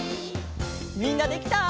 みんなできた？